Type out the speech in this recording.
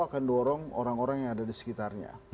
akan dorong orang orang yang ada di sekitarnya